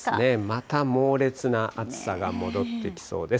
また猛烈な暑さが戻ってきそうです。